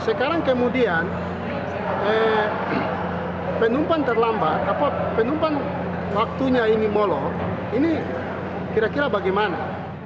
sekarang kemudian penumpang terlambat penumpang waktunya ini molo ini kira kira bagaimana